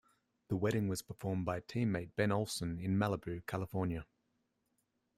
The wedding was performed by teammate Ben Olsen in Malibu, California.